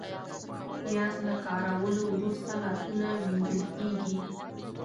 پیاز له کارولو وروسته لاسونه وینځل کېږي